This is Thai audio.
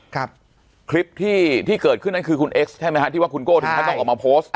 คลิปที่ที่เกิดขึ้นนั้นคือคุณเอ็กซ์ใช่ไหมฮะที่ว่าคุณโก้ถึงขั้นต้องออกมาโพสต์